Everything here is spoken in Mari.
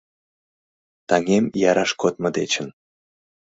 Таҥем яраш кодмо дечын